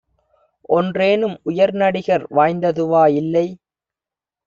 ஒன்றேனும் உயர்நடிகர் வாய்ந்ததுவா யில்லை!